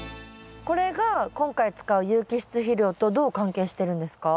これが今回使う有機質肥料とどう関係してるんですか？